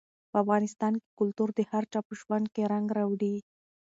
په افغانستان کې کلتور د هر چا په ژوند کې رنګ راوړي.